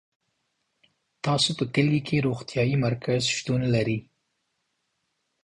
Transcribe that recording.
تاسو په کلي کي روغتيايي مرکز شتون لری